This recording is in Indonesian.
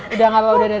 udah gak apa apa